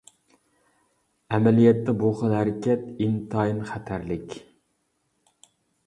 ئەمەلىيەتتە بۇ خىل ھەرىكەت ئىنتايىن خەتەرلىك.